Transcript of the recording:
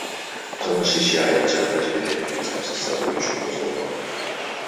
Кылмыш иши айыл чарба жерлерин мыйзамсыз сатуу үчүн козголгон